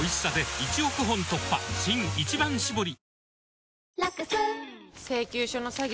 新「一番搾り」